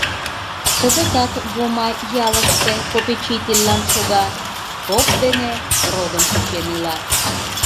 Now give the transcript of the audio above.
Кызытат Вома ялыште попечительлан шога, поп дене родым кучен ила.